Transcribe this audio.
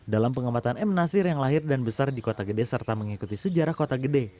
dalam pengamatan m nasir yang lahir dan besar di kota gede serta mengikuti sejarah kota gede